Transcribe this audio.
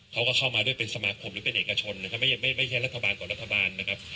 เขาก็เข้ามาด้วยเป็นสมาคมหรือเป็นเอกชนนะครับไม่ใช่รัฐบาลต่อรัฐบาลนะครับ